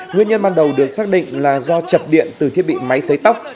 nguyên nhân ban đầu được xác định là do chập điện từ thiết bị máy xấy tóc